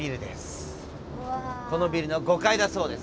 このビルの５階だそうです。